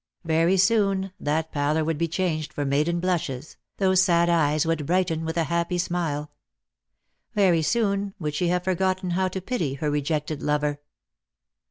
Very soon that pallor would be changed for maiden blushes, those sad eyes would brighten with a happy smile. Very soon would she have forgotten how to pity her rejected lover.